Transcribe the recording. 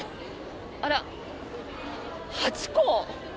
あら、ハチ公？